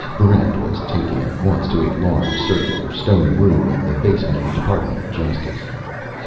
Barrent was taken at once to a large, circular stone room in the basement of the Department of Justice.